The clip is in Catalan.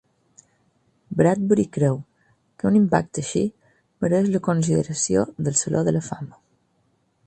Bradbury creu que un impacte així mereix la consideració del Saló de la fama.